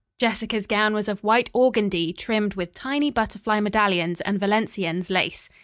Jessica's gown was of white organdie, trimmed with tiny butterfly medallions and valenciennes lace.